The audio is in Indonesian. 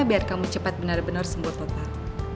biar kamu cepat benar benar sembuh total